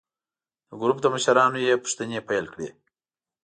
د ګروپ له مشرانو یې پوښتنې پیل کړې.